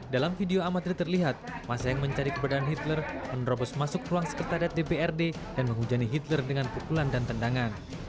dalam video amatir terlihat masa yang mencari keberadaan hitler menerobos masuk ruang sekretariat dprd dan menghujani hitler dengan pukulan dan tendangan